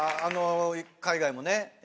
あの海外もね